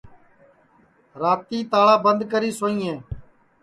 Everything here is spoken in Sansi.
راتی تاݪا بند کری سوئیں